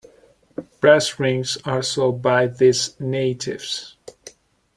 Brass rings are sold by these natives.